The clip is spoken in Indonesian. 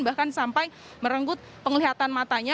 bahkan sampai merenggut penglihatan matanya